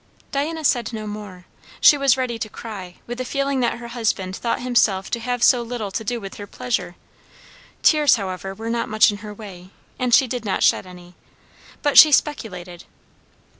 Diana said no more. She was ready to cry, with the feeling that her husband thought himself to have so little to do with her pleasure. Tears, however, were not much in her way, and she did not shed any, but she speculated.